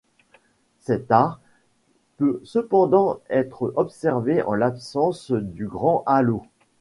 Cet arc peut cependant être observé en l'absence du grand halo.